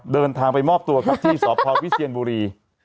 เดินทางไปมอบตัวครับที่สพวิเชียนบุรี